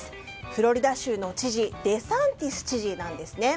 フロリダ州の知事デサンティス知事なんですね。